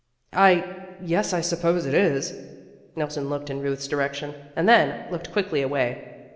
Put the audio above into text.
"I yes, I suppose it is." Nelson looked in Ruth's direction and then looked quickly away.